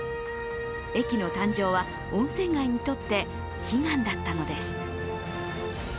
駅の誕生は、温泉街にとって悲願だったのです。